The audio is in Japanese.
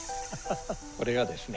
これがですね